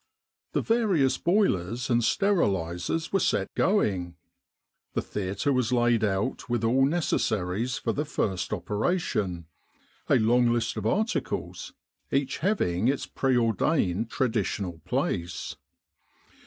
The various boilers and sterilisers were set going. The theatre was laid out with all necessaries for the first operation a long list of articles, each having its preordained traditional place.